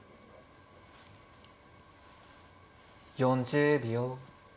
４０秒。